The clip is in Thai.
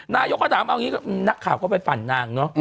นายกก็ถามนักข่าวก็ไปฝันนางเนาะ